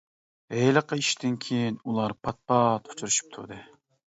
ھېلىقى ئىشتىن كىيىن ئۇلار پات-پات ئۇچرىشىپ تۇردى.